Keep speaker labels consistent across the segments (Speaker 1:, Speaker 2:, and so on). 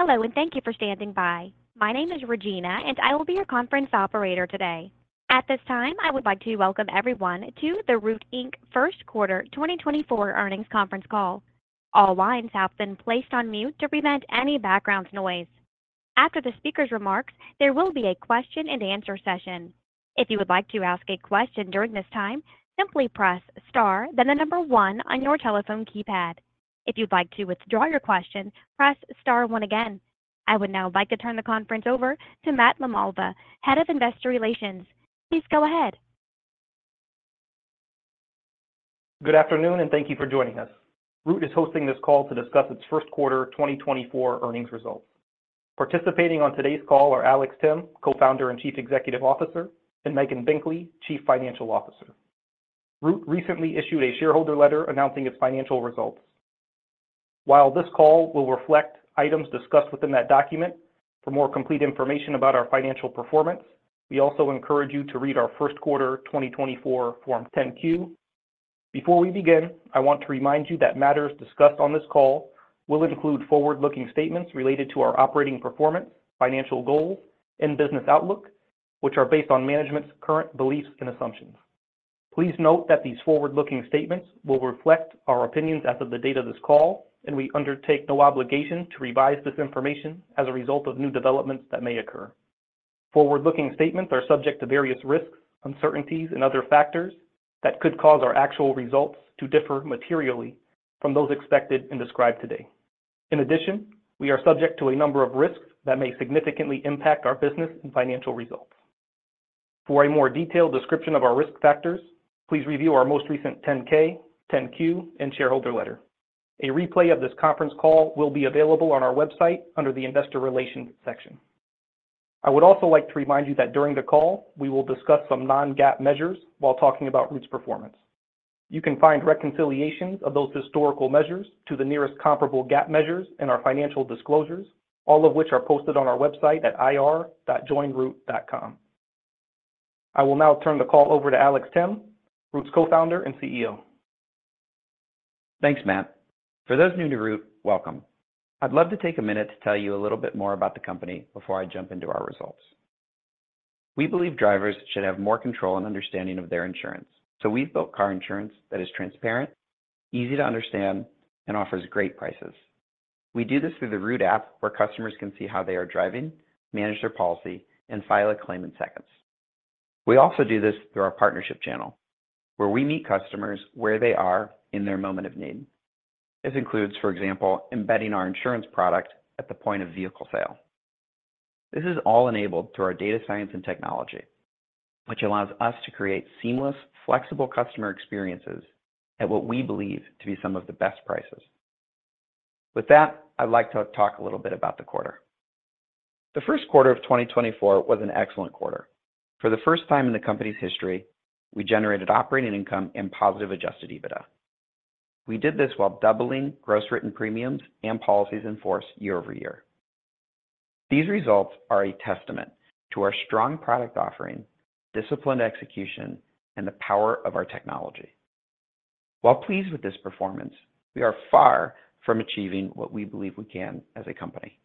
Speaker 1: Hello, and thank you for standing by. My name is Regina, and I will be your conference operator today. At this time, I would like to welcome everyone to the Root Inc. First Quarter 2024 Earnings Conference Call. All lines have been placed on mute to prevent any background noise. After the speaker's remarks, there will be a question and answer session. If you would like to ask a question during this time, simply press Star, then the number one on your telephone keypad. If you'd like to withdraw your question, press Star one again. I would now like to turn the conference over to Matt LaMalva, Head of Investor Relations. Please go ahead.
Speaker 2: Good afternoon, and thank you for joining us. Root is hosting this call to discuss its first quarter 2024 earnings results. Participating on today's call are Alex Timm, Co-founder and Chief Executive Officer, and Megan Binkley, Chief Financial Officer. Root recently issued a shareholder letter announcing its financial results. While this call will reflect items discussed within that document, for more complete information about our financial performance, we also encourage you to read our first quarter 2024 Form 10-Q. Before we begin, I want to remind you that matters discussed on this call will include forward-looking statements related to our operating performance, financial goals, and business outlook, which are based on management's current beliefs and assumptions. Please note that these forward-looking statements will reflect our opinions as of the date of this call, and we undertake no obligation to revise this information as a result of new developments that may occur. Forward-looking statements are subject to various risks, uncertainties, and other factors that could cause our actual results to differ materially from those expected and described today. In addition, we are subject to a number of risks that may significantly impact our business and financial results. For a more detailed description of our risk factors, please review our most recent 10-K, 10-Q, and shareholder letter. A replay of this conference call will be available on our website under the Investor Relations section. I would also like to remind you that during the call, we will discuss some non-GAAP measures while talking about Root's performance. You can find reconciliations of those historical measures to the nearest comparable GAAP measures in our financial disclosures, all of which are posted on our website at ir.joinroot.com. I will now turn the call over to Alex Timm, Root's Co-founder and CEO.
Speaker 3: Thanks, Matt. For those new to Root, welcome. I'd love to take a minute to tell you a little bit more about the company before I jump into our results. We believe drivers should have more control and understanding of their insurance, so we've built car insurance that is transparent, easy to understand, and offers great prices. We do this through the Root app, where customers can see how they are driving, manage their policy, and file a claim in seconds. We also do this through our partnership channel, where we meet customers where they are in their moment of need. This includes, for example, embedding our insurance product at the point of vehicle sale. This is all enabled through our data science and technology, which allows us to create seamless, flexible customer experiences at what we believe to be some of the best prices. With that, I'd like to talk a little bit about the quarter. The first quarter of 2024 was an excellent quarter. For the first time in the company's history, we generated operating income and positive adjusted EBITDA. We did this while doubling gross written premiums and policies in force year-over-year. These results are a testament to our strong product offering, disciplined execution, and the power of our technology. While pleased with this performance, we are far from achieving what we believe we can as a company.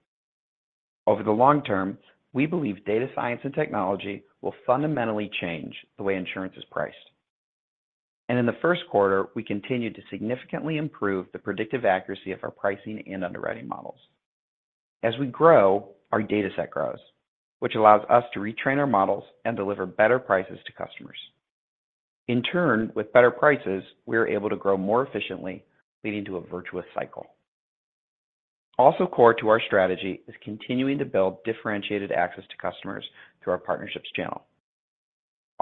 Speaker 3: Over the long term, we believe data science and technology will fundamentally change the way insurance is priced, and in the first quarter, we continued to significantly improve the predictive accuracy of our pricing and underwriting models. As we grow, our dataset grows, which allows us to retrain our models and deliver better prices to customers. In turn, with better prices, we are able to grow more efficiently, leading to a virtuous cycle. Also core to our strategy is continuing to build differentiated access to customers through our partnerships channel.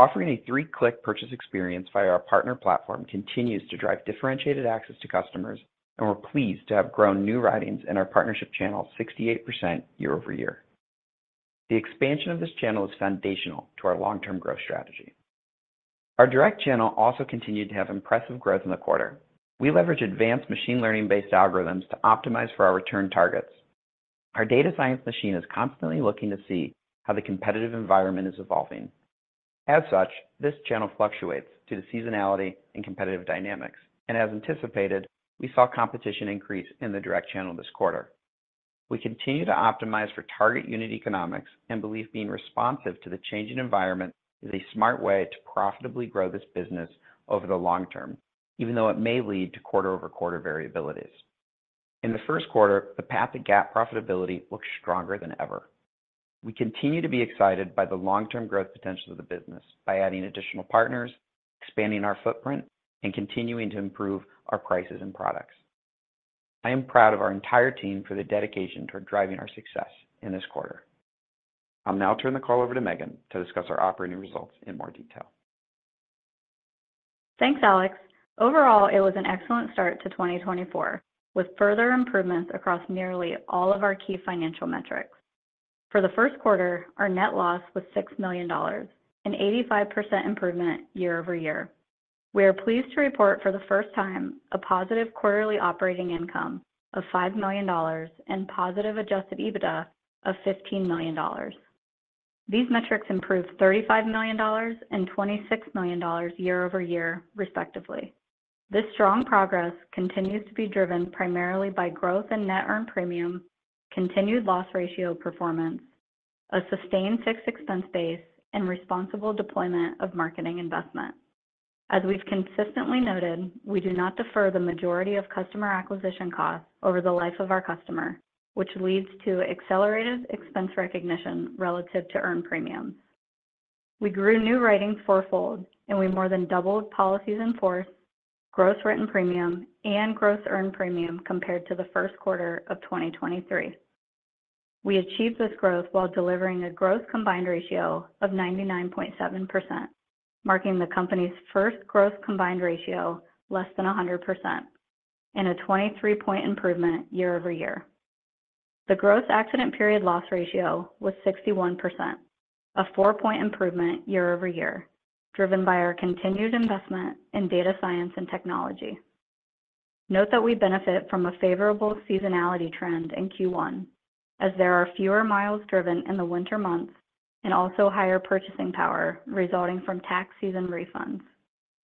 Speaker 3: Offering a three-click purchase experience via our partner platform continues to drive differentiated access to customers, and we're pleased to have grown new writings in our partnership channel 68% year-over-year. The expansion of this channel is foundational to our long-term growth strategy. Our direct channel also continued to have impressive growth in the quarter. We leverage advanced machine learning-based algorithms to optimize for our return targets. Our data science machine is constantly looking to see how the competitive environment is evolving. As such, this channel fluctuates due to seasonality and competitive dynamics, and as anticipated, we saw competition increase in the direct channel this quarter. We continue to optimize for target unit economics and believe being responsive to the changing environment is a smart way to profitably grow this business over the long term, even though it may lead to quarter-over-quarter variabilities. In the first quarter, the path to GAAP profitability looks stronger than ever. We continue to be excited by the long-term growth potential of the business by adding additional partners, expanding our footprint, and continuing to improve our prices and products. I am proud of our entire team for their dedication toward driving our success in this quarter. I'll now turn the call over to Megan to discuss our operating results in more detail.
Speaker 4: Thanks, Alex. Overall, it was an excellent start to 2024, with further improvements across nearly all of our key financial metrics. For the first quarter, our net loss was $6 million, an 85% improvement year over year. We are pleased to report for the first time a positive quarterly operating income of $5 million and positive adjusted EBITDA of $15 million.... These metrics improved $35 million and $26 million year-over-year, respectively. This strong progress continues to be driven primarily by growth in net earned premium, continued loss ratio performance, a sustained fixed expense base, and responsible deployment of marketing investment. As we've consistently noted, we do not defer the majority of customer acquisition costs over the life of our customer, which leads to accelerated expense recognition relative to earned premiums. We grew new writing fourfold, and we more than doubled policies in force, gross written premium, and gross earned premium compared to the first quarter of 2023. We achieved this growth while delivering a gross combined ratio of 99.7%, marking the company's first gross combined ratio less than 100% and a 23-point improvement year-over-year. The gross accident period loss ratio was 61%, a 4-point improvement year-over-year, driven by our continued investment in data science and technology. Note that we benefit from a favorable seasonality trend in Q1, as there are fewer miles driven in the winter months and also higher purchasing power resulting from tax season refunds.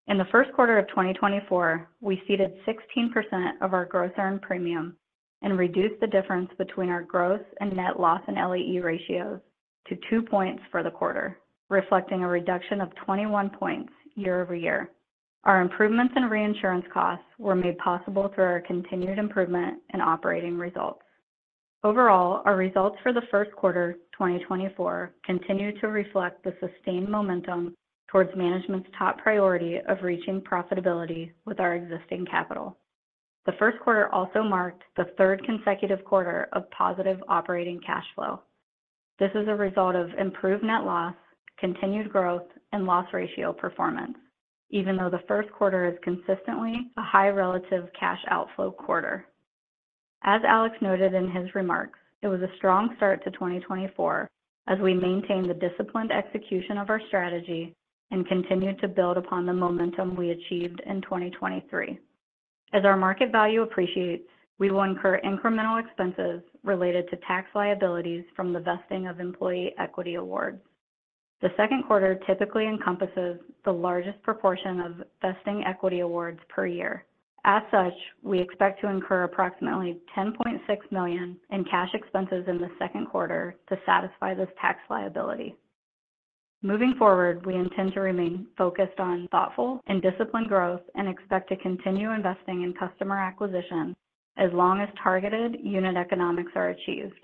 Speaker 4: In the first quarter of 2024, we ceded 16% of our gross earned premium and reduced the difference between our gross and net loss and LAE ratios to 2 points for the quarter, reflecting a reduction of 21 points year-over-year. Our improvements in reinsurance costs were made possible through our continued improvement in operating results. Overall, our results for the first quarter 2024 continue to reflect the sustained momentum towards management's top priority of reaching profitability with our existing capital. The first quarter also marked the third consecutive quarter of positive operating cash flow. This is a result of improved net loss, continued growth, and loss ratio performance, even though the first quarter is consistently a high relative cash outflow quarter. As Alex noted in his remarks, it was a strong start to 2024 as we maintained the disciplined execution of our strategy and continued to build upon the momentum we achieved in 2023. As our market value appreciates, we will incur incremental expenses related to tax liabilities from the vesting of employee equity awards. The second quarter typically encompasses the largest proportion of vesting equity awards per year. As such, we expect to incur approximately $10.6 million in cash expenses in the second quarter to satisfy this tax liability. Moving forward, we intend to remain focused on thoughtful and disciplined growth and expect to continue investing in customer acquisition as long as targeted unit economics are achieved.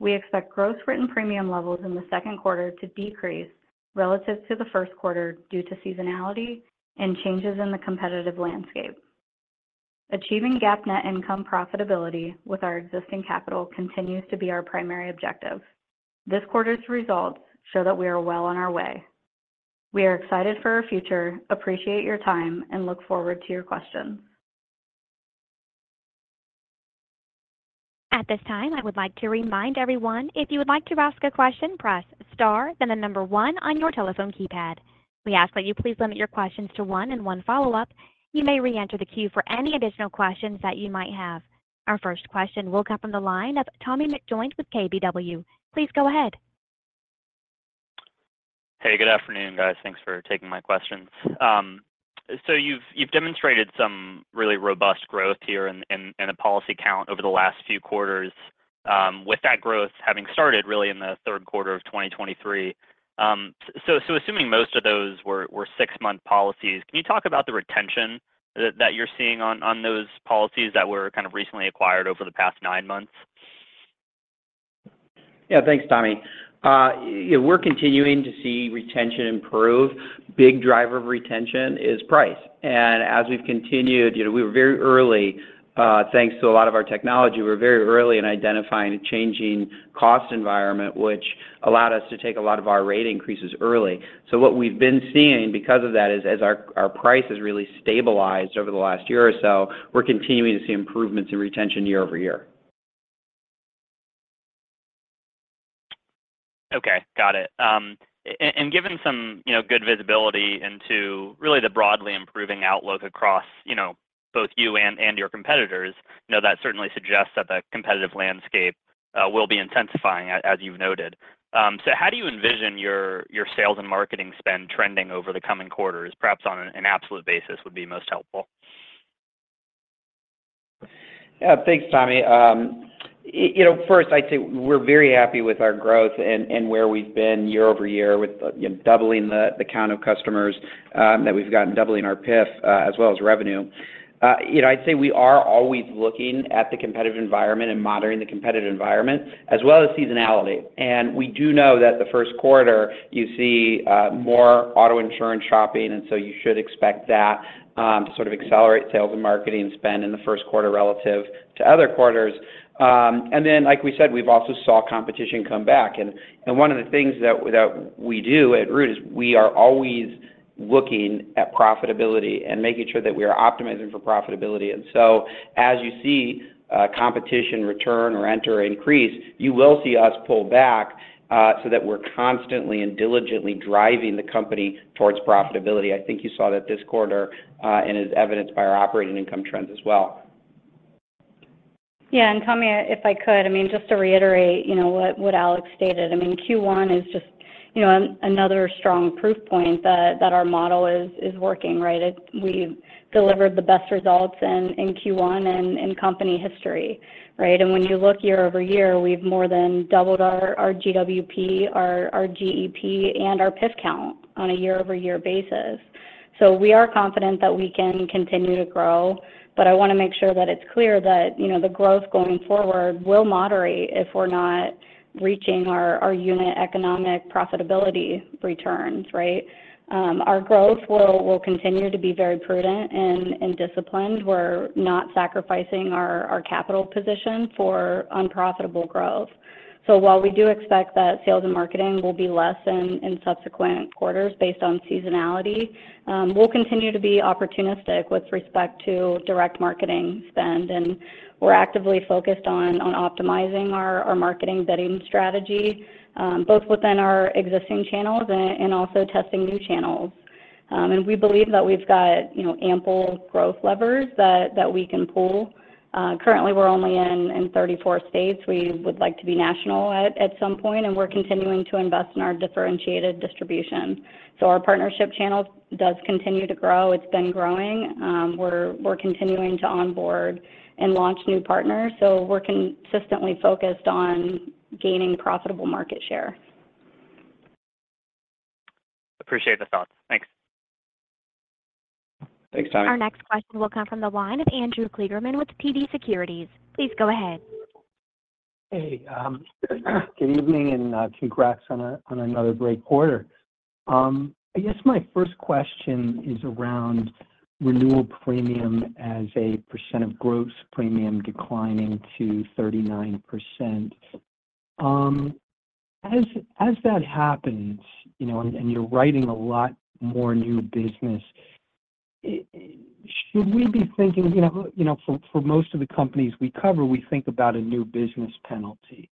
Speaker 4: We expect gross written premium levels in the second quarter to decrease relative to the first quarter due to seasonality and changes in the competitive landscape. Achieving GAAP net income profitability with our existing capital continues to be our primary objective. This quarter's results show that we are well on our way. We are excited for our future, appreciate your time, and look forward to your questions.
Speaker 1: At this time, I would like to remind everyone, if you would like to ask a question, press star, then the number one on your telephone keypad. We ask that you please limit your questions to one and one follow-up. You may reenter the queue for any additional questions that you might have. Our first question will come from the line of Tommy McJoynt with KBW. Please go ahead.
Speaker 5: Hey, good afternoon, guys. Thanks for taking my questions. So you've demonstrated some really robust growth here in the policy count over the last few quarters, with that growth having started really in the third quarter of 2023. So assuming most of those were six-month policies, can you talk about the retention that you're seeing on those policies that were kind of recently acquired over the past nine months?
Speaker 3: Yeah. Thanks, Tommy. Yeah, we're continuing to see retention improve. Big driver of retention is price. And as we've continued... You know, we were very early, thanks to a lot of our technology, we were very early in identifying a changing cost environment, which allowed us to take a lot of our rate increases early. So what we've been seeing because of that is, as our price has really stabilized over the last year or so, we're continuing to see improvements in retention year-over-year.
Speaker 5: Okay, got it. And given some, you know, good visibility into really the broadly improving outlook across, you know, both you and your competitors, you know, that certainly suggests that the competitive landscape will be intensifying, as you've noted. So how do you envision your sales and marketing spend trending over the coming quarters? Perhaps on an absolute basis would be most helpful.
Speaker 3: Yeah. Thanks, Tommy. You know, first, I'd say we're very happy with our growth and where we've been year-over-year with you know, doubling the count of customers that we've gotten, doubling our PIF, as well as revenue. You know, I'd say we are always looking at the competitive environment and monitoring the competitive environment, as well as seasonality. And we do know that the first quarter you see more auto insurance shopping, and so you should expect that to sort of accelerate sales and marketing spend in the first quarter relative to other quarters. And then, like we said, we've also saw competition come back. And one of the things that we do at Root is we are always looking at profitability and making sure that we are optimizing for profitability. And so, as you see, competition return or enter or increase, you will see us pull back, so that we're constantly and diligently driving the company towards profitability. I think you saw that this quarter, and as evidenced by our operating income trends as well. ...
Speaker 4: Yeah, and Tommy, if I could, I mean, just to reiterate, you know, what Alex stated. I mean, Q1 is just, you know, another strong proof point that our model is working, right? We've delivered the best results in Q1 in company history, right? And when you look year-over-year, we've more than doubled our GWP, our GEP, and our PIF count on a year-over-year basis. So we are confident that we can continue to grow, but I wanna make sure that it's clear that, you know, the growth going forward will moderate if we're not reaching our unit economic profitability returns, right? Our growth will continue to be very prudent and disciplined. We're not sacrificing our capital position for unprofitable growth. So while we do expect that sales and marketing will be less in subsequent quarters based on seasonality, we'll continue to be opportunistic with respect to direct marketing spend, and we're actively focused on optimizing our marketing budget strategy, both within our existing channels and also testing new channels. And we believe that we've got, you know, ample growth levers that we can pull. Currently, we're only in 34 states. We would like to be national at some point, and we're continuing to invest in our differentiated distribution. So our partnership channel does continue to grow. It's been growing. We're continuing to onboard and launch new partners, so we're consistently focused on gaining profitable market share.
Speaker 5: Appreciate the thoughts. Thanks.
Speaker 3: Thanks, Tommy.
Speaker 1: Our next question will come from the line of Andrew Kligerman with TD Securities. Please go ahead.
Speaker 6: Hey, good evening, and congrats on another great quarter. I guess my first question is around renewal premium as a percent of gross premium declining to 39%. As that happens, you know, and you're writing a lot more new business, should we be thinking... You know, for most of the companies we cover, we think about a new business penalty.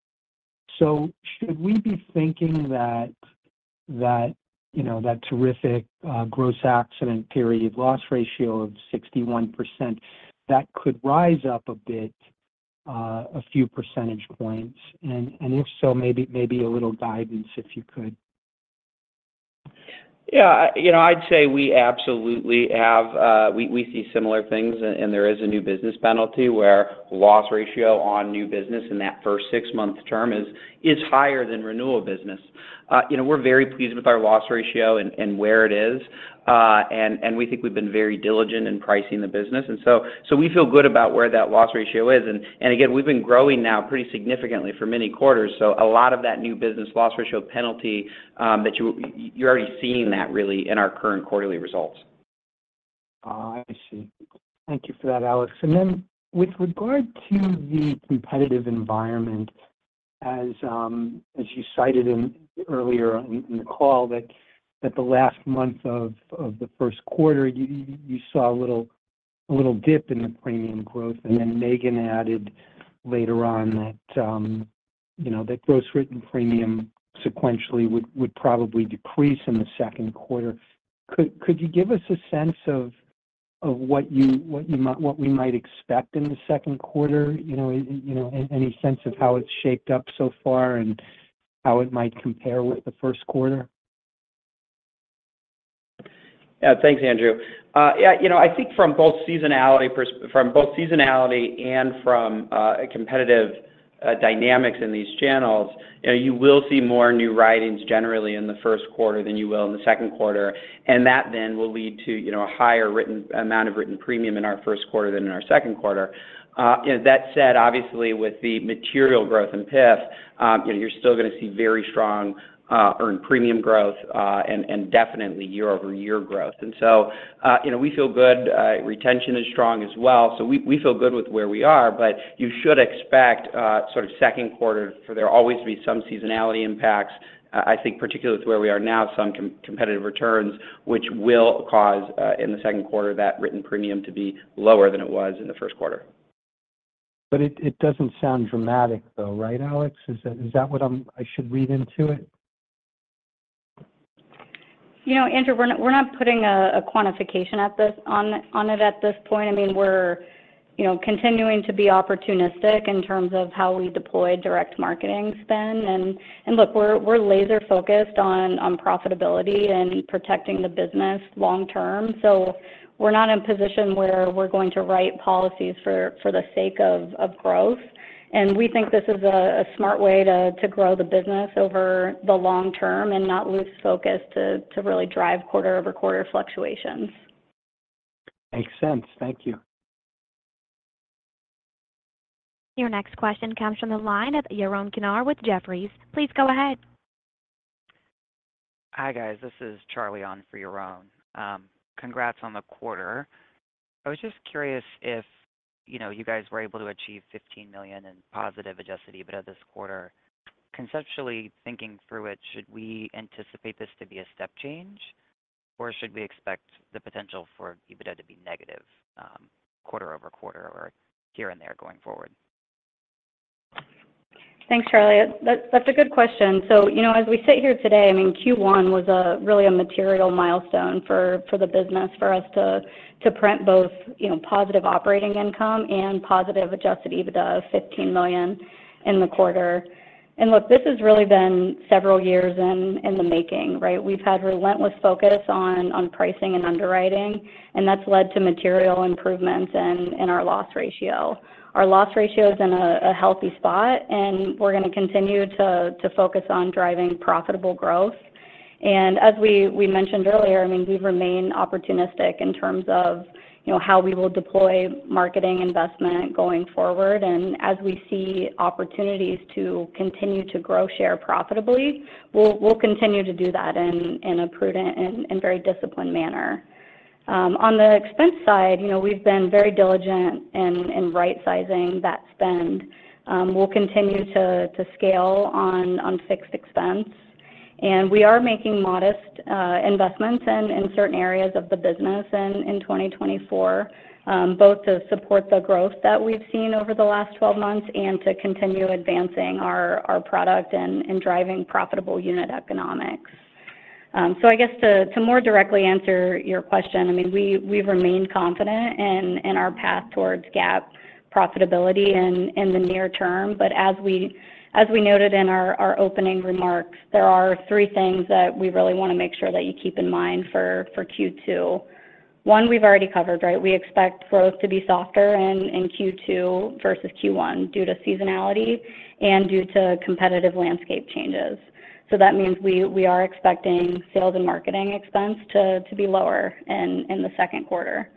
Speaker 6: So should we be thinking that, you know, that terrific gross accident period loss ratio of 61%, that could rise up a bit a few percentage points? And if so, maybe a little guidance, if you could.
Speaker 3: Yeah, you know, I'd say we absolutely have. We see similar things, and there is a new business penalty where loss ratio on new business in that first six-month term is higher than renewal business. You know, we're very pleased with our loss ratio and where it is, and we think we've been very diligent in pricing the business. And so we feel good about where that loss ratio is. And again, we've been growing now pretty significantly for many quarters, so a lot of that new business loss ratio penalty that you're already seeing that really in our current quarterly results.
Speaker 6: Oh, I see. Thank you for that, Alex. And then with regard to the competitive environment, as you cited earlier in the call, that the last month of the first quarter, you saw a little dip in the premium growth, and then Megan added later on that, you know, that gross written premium sequentially would probably decrease in the second quarter. Could you give us a sense of what we might expect in the second quarter? You know, you know, any sense of how it's shaped up so far and how it might compare with the first quarter?
Speaker 3: Yeah. Thanks, Andrew. Yeah, you know, I think from both seasonality and from competitive dynamics in these channels, you know, you will see more new writings generally in the first quarter than you will in the second quarter, and that then will lead to, you know, a higher written amount of written premium in our first quarter than in our second quarter. You know, that said, obviously, with the material growth in PIF, you know, you're still gonna see very strong earned premium growth and definitely year-over-year growth. We feel good. Retention is strong as well, so we feel good with where we are, but you should expect sort of second quarter for there always be some seasonality impacts. I think particularly with where we are now, some competitive returns, which will cause, in the second quarter, that written premium to be lower than it was in the first quarter.
Speaker 6: But it doesn't sound dramatic though, right, Alex? Is that what I should read into it?
Speaker 4: You know, Andrew, we're not putting a quantification on it at this point. I mean, we're, you know, continuing to be opportunistic in terms of how we deploy direct marketing spend. And look, we're laser focused on profitability and protecting the business long term. So we're not in a position where we're going to write policies for the sake of growth, and we think this is a smart way to grow the business over the long term and not lose focus to really drive quarter-over-quarter fluctuations.
Speaker 6: Makes sense. Thank you.
Speaker 1: Your next question comes from the line of Yaron Kinar with Jefferies. Please go ahead.
Speaker 7: Hi, guys. This is Charlie on for Yaron. Congrats on the quarter. I was just curious if, you know, you guys were able to achieve $15 million in positive adjusted EBITDA this quarter. Conceptually thinking through it, should we anticipate this to be a step change, or should we expect the potential for EBITDA to be negative, quarter-over-quarter or here and there going forward? ...
Speaker 4: Thanks, Charlie. That's, that's a good question. So, you know, as we sit here today, I mean, Q1 was a really a material milestone for, for the business, for us to, to print both, you know, positive operating income and positive adjusted EBITDA of $15 million in the quarter. And look, this has really been several years in, in the making, right? We've had relentless focus on, on pricing and underwriting, and that's led to material improvements in, in our loss ratio. Our loss ratio is in a, a healthy spot, and we're going to continue to, to focus on driving profitable growth. And as we, we mentioned earlier, I mean, we remain opportunistic in terms of, you know, how we will deploy marketing investment going forward. As we see opportunities to continue to grow share profitably, we'll continue to do that in a prudent and very disciplined manner. On the expense side, you know, we've been very diligent in right-sizing that spend. We'll continue to scale on fixed expense, and we are making modest investments in certain areas of the business in 2024, both to support the growth that we've seen over the last 12 months and to continue advancing our product and driving profitable unit economics. So I guess to more directly answer your question, I mean, we remain confident in our path towards GAAP profitability in the near term. But as we noted in our opening remarks, there are three things that we really want to make sure that you keep in mind for Q2. One, we've already covered, right? We expect growth to be softer in Q2 versus Q1 due to seasonality and due to competitive landscape changes. So that means we are expecting sales and marketing expense to be lower in the second quarter.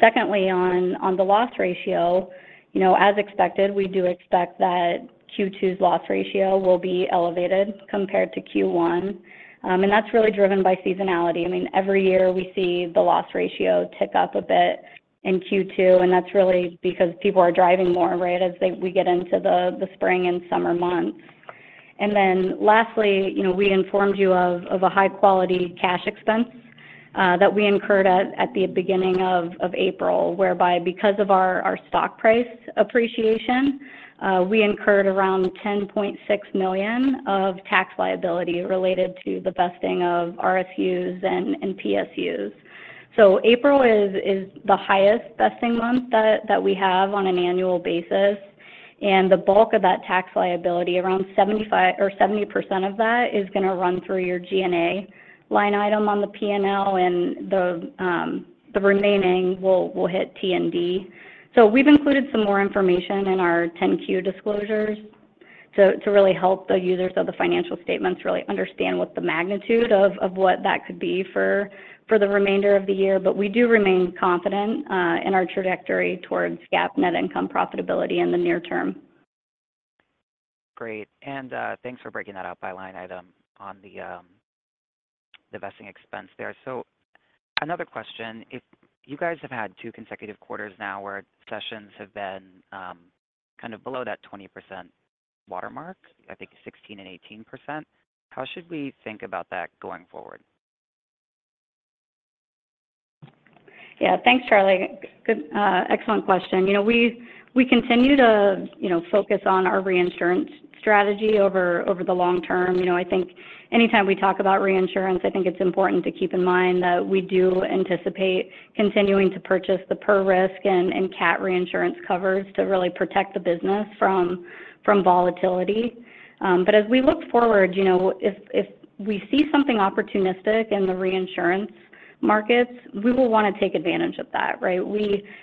Speaker 4: Secondly, on the loss ratio, you know, as expected, we do expect that Q2's loss ratio will be elevated compared to Q1. And that's really driven by seasonality. I mean, every year we see the loss ratio tick up a bit in Q2, and that's really because people are driving more, right, as we get into the spring and summer months. And then lastly, you know, we informed you of a high-quality cash expense that we incurred at the beginning of April, whereby because of our stock price appreciation, we incurred around $10.6 million of tax liability related to the vesting of RSUs and PSUs. So April is the highest vesting month that we have on an annual basis, and the bulk of that tax liability, around 75% or 70% of that, is going to run through your G&A line item on the P&L, and the remaining will hit T&D. So we've included some more information in our 10-Q disclosures to really help the users of the financial statements really understand what the magnitude of what that could be for the remainder of the year. But we do remain confident in our trajectory towards GAAP net income profitability in the near term.
Speaker 7: Great. And, thanks for breaking that out by line item on the, the vesting expense there. So another question, if you guys have had two consecutive quarters now where cessions have been, kind of below that 20% watermark, I think 16% and 18%, how should we think about that going forward?
Speaker 4: Yeah. Thanks, Charlie. Good, excellent question. You know, we continue to, you know, focus on our reinsurance strategy over the long term. You know, I think anytime we talk about reinsurance, I think it's important to keep in mind that we do anticipate continuing to purchase the per risk and cat reinsurance covers to really protect the business from volatility. But as we look forward, you know, if we see something opportunistic in the reinsurance markets, we will want to take advantage of that, right?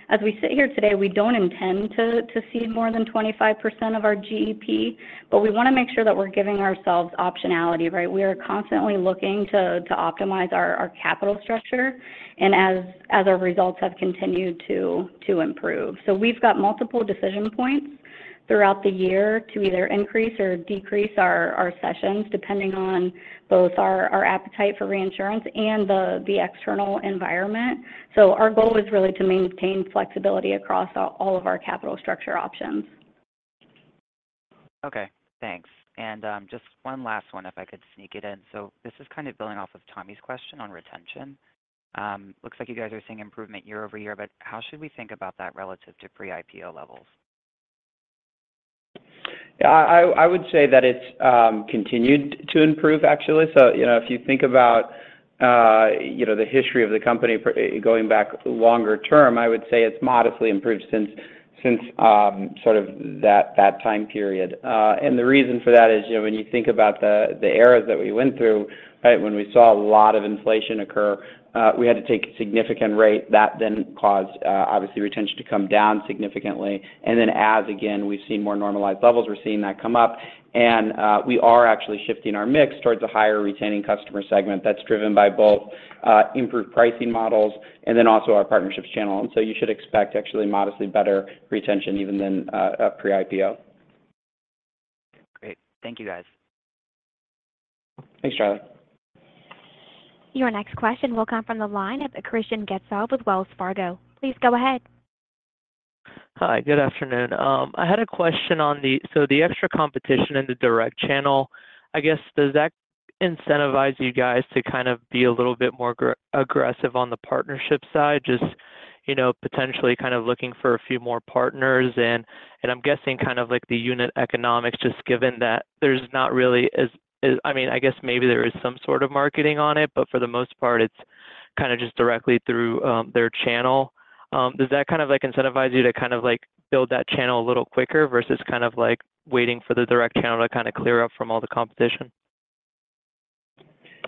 Speaker 4: As we sit here today, we don't intend to cede more than 25% of our GEP, but we want to make sure that we're giving ourselves optionality, right? We are constantly looking to optimize our capital structure and as our results have continued to improve. So we've got multiple decision points throughout the year to either increase or decrease our cessions, depending on both our appetite for reinsurance and the external environment. So our goal is really to maintain flexibility across all of our capital structure options.
Speaker 7: Okay, thanks. Just one last one, if I could sneak it in. So this is kind of building off of Tommy's question on retention. Looks like you guys are seeing improvement year-over-year, but how should we think about that relative to pre-IPO levels?
Speaker 3: Yeah, I would say that it's continued to improve, actually. So, you know, if you think about, you know, the history of the company for, going back longer term, I would say it's modestly improved since sort of that time period. And the reason for that is, you know, when you think about the eras that we went through, right, when we saw a lot of inflation occur, we had to take significant rate. That then caused, obviously, retention to come down significantly. And then as, again, we've seen more normalized levels, we're seeing that come up, and, we are actually shifting our mix towards a higher retaining customer segment that's driven by both, improved pricing models and then also our partnerships channel. And so you should expect actually modestly better retention even than pre-IPO.
Speaker 7: Great. Thank you, guys.
Speaker 3: Thanks, Charlie.
Speaker 1: Your next question will come from the line of Hristian Getzov with Wells Fargo. Please go ahead.
Speaker 8: Hi, good afternoon. I had a question on the. So the extra competition in the direct channel, I guess, does that incentivize you guys to kind of be a little bit more aggressive on the partnership side? Just, you know, potentially kind of looking for a few more partners, and, and I'm guessing kind of like the unit economics, just given that there's not really as, I mean, I guess maybe there is some sort of marketing on it, but for the most part, it's kind of just directly through their channel. Does that kind of like incentivize you to kind of like build that channel a little quicker versus kind of like waiting for the direct channel to kind of clear up from all the competition?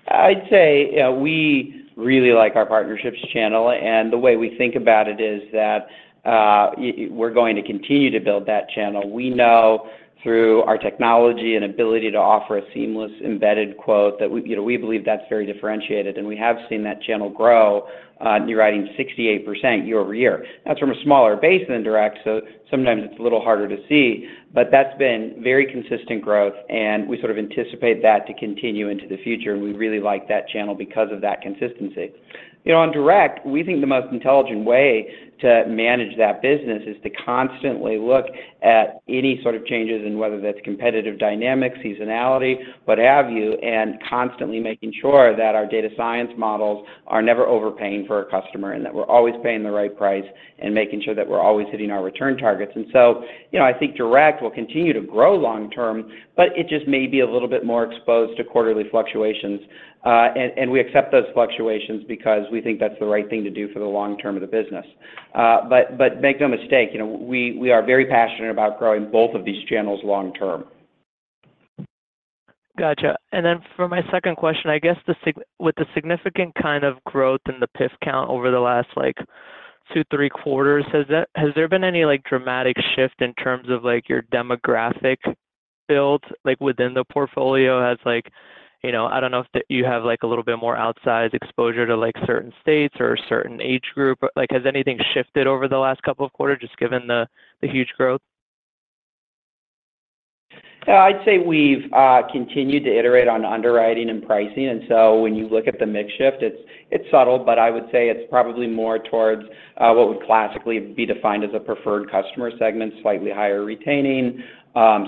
Speaker 3: I'd say, yeah, we really like our partnerships channel, and the way we think about it is that, we're going to continue to build that channel. We know through our technology and ability to offer a seamless, embedded quote, that we, you know, we believe that's very differentiated, and we have seen that channel grow, nearing 68% year-over-year. That's from a smaller base than direct, so sometimes it's a little harder to see, but that's been very consistent growth, and we sort of anticipate that to continue into the future, and we really like that channel because of that consistency. You know, on direct, we think the most intelligent way to manage that business is to constantly look at any sort of changes in whether that's competitive dynamics, seasonality, what have you, and constantly making sure that our data science models are never overpaying for a customer, and that we're always paying the right price and making sure that we're always hitting our return targets. And so, you know, I think direct will continue to grow long term, but it just may be a little bit more exposed to quarterly fluctuations. And we accept those fluctuations because we think that's the right thing to do for the long term of the business. But make no mistake, you know, we are very passionate about growing both of these channels long term.
Speaker 8: Gotcha. And then for my second question, I guess the significant kind of growth in the PIF count over the last, like, two, three quarters, has there been any, like, dramatic shift in terms of, like, your demographic build, like, within the portfolio? Has, like... You know, I don't know if that you have, like, a little bit more outsized exposure to, like, certain states or a certain age group. Like, has anything shifted over the last couple of quarters, just given the huge growth?
Speaker 3: I'd say we've continued to iterate on underwriting and pricing, and so when you look at the mix shift, it's subtle, but I would say it's probably more towards what would classically be defined as a preferred customer segment, slightly higher retaining,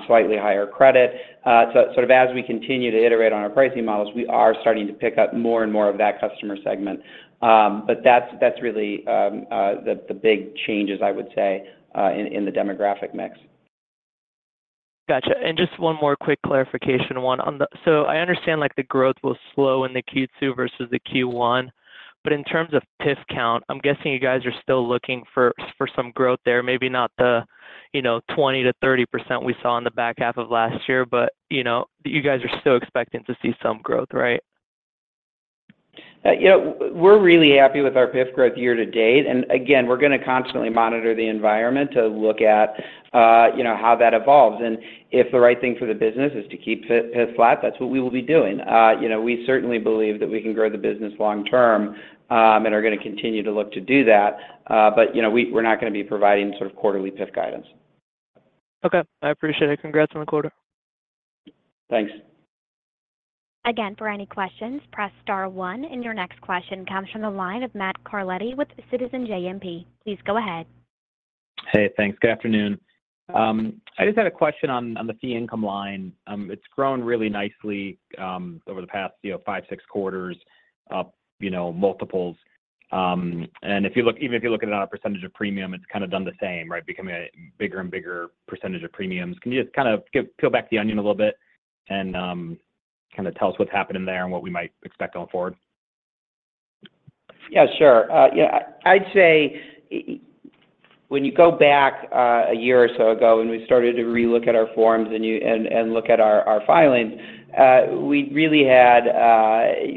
Speaker 3: slightly higher credit. So sort of as we continue to iterate on our pricing models, we are starting to pick up more and more of that customer segment. But that's really the big changes, I would say, in the demographic mix.
Speaker 8: Gotcha. And just one more quick clarification one. On the... So I understand, like, the growth will slow in the Q2 versus the Q1, but in terms of PIF count, I'm guessing you guys are still looking for, for some growth there. Maybe not the, you know, 20%-30% we saw in the back half of last year, but, you know, you guys are still expecting to see some growth, right?
Speaker 3: You know, we're really happy with our PIF growth year to date, and again, we're gonna constantly monitor the environment to look at, you know, how that evolves. And if the right thing for the business is to keep PIF, PIF flat, that's what we will be doing. You know, we certainly believe that we can grow the business long term, and are gonna continue to look to do that. But, you know, we're not gonna be providing sort of quarterly PIF guidance.
Speaker 8: Okay, I appreciate it. Congrats on the quarter.
Speaker 3: Thanks.
Speaker 1: Again, for any questions, press star one, and your next question comes from the line of Matt Carletti with Citizens JMP. Please go ahead.
Speaker 9: Hey, thanks. Good afternoon. I just had a question on the fee income line. It's grown really nicely over the past, you know, 5, 6 quarters, you know, multiples. And if you look, even if you look at it on a percentage of premium, it's kind of done the same, right? Becoming a bigger and bigger percentage of premiums. Can you just kind of give... peel back the onion a little bit and kind of tell us what's happening there and what we might expect going forward?
Speaker 3: Yeah, sure. Yeah, I'd say when you go back a year or so ago, when we started to relook at our forms and you-- and look at our our filings, we really had.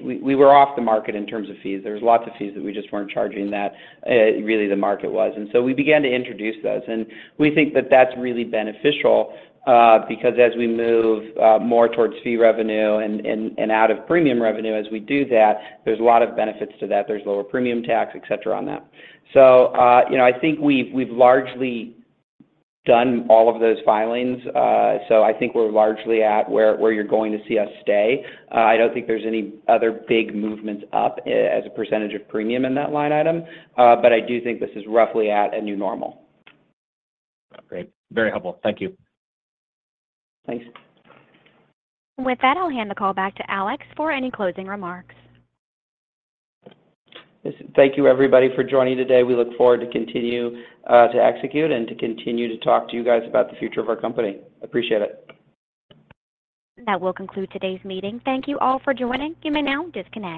Speaker 3: We, we were off the market in terms of fees. There was lots of fees that we just weren't charging, that really the market was. And so we began to introduce those, and we think that that's really beneficial because as we move more towards fee revenue and out of premium revenue, as we do that, there's a lot of benefits to that. There's lower premium tax, et cetera, on that. So, you know, I think we've we've largely done all of those filings, so I think we're largely at where where you're going to see us stay. I don't think there's any other big movements up, as a percentage of premium in that line item, but I do think this is roughly at a new normal.
Speaker 9: Great. Very helpful. Thank you.
Speaker 3: Thanks.
Speaker 1: With that, I'll hand the call back to Alex for any closing remarks.
Speaker 3: Listen, thank you, everybody, for joining today. We look forward to continue, to execute and to continue to talk to you guys about the future of our company. Appreciate it.
Speaker 1: That will conclude today's meeting. Thank you all for joining. You may now disconnect.